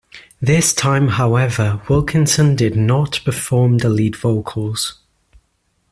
This time, however, Wilkinson did not perform the lead vocals.